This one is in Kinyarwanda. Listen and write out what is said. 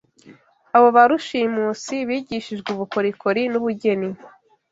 Abo ba rushimusi bigishijwe ubukorikori n’ubugeni